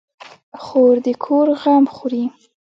خور د کور غم خوري.